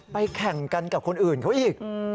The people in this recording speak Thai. แข่งกันกับคนอื่นเขาอีก